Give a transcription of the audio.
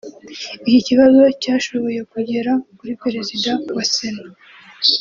Iki kibazo cyashoboye kugera kuri Perezida wa Sena